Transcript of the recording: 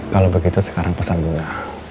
kalo begitu sekarang pesan bunga